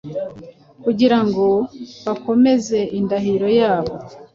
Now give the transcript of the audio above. kugira ngo bakomeze indahiro yabo